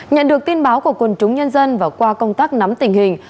nhận được tin báo của quần chúng nhân dân và qua công tác nắm tình hình